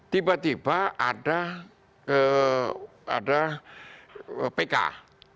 tiba tiba ada pki